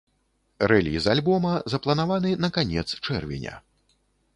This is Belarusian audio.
Рэліз альбома запланаваны на канец чэрвеня.